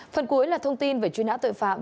phần cuối là thông tin về truy nã tội phạm